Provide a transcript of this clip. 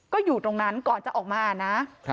ก็อยู่ตรงนั้นก่อนจะออกมานะ